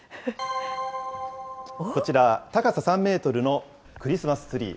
こちら、高さ３メートルのクリスマスツリー。